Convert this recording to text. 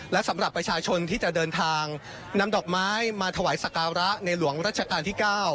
และสำหรับประชาชนที่จะเดินทางนำดอกไม้มาถวายสการะในหลวงรัชกาลที่๙